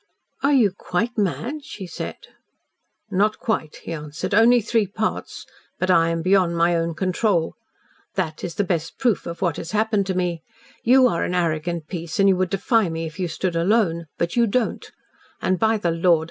"Are you QUITE mad?" she said. "Not quite," he answered; "only three parts but I am beyond my own control. That is the best proof of what has happened to me. You are an arrogant piece and you would defy me if you stood alone, but you don't, and, by the Lord!